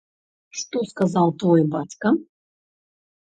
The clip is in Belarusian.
Што сказаў твой бацька?